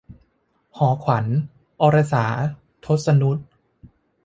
หอขวัญ - อรสา ทศนุต